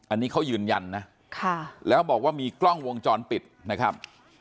อันนี้เขายืนยันนะแล้วบอกว่ามีกล้องวงจรปิดนะครับ